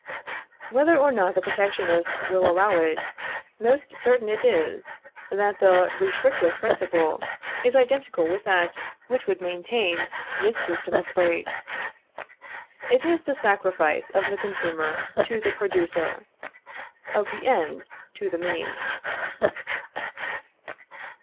Whether or not the Protectionists will allow it, most certain it is, that the restrictive principle is identical with that which would maintain this system of breaks: it is the sacrifice of the consumer to the producer, of the end to the means.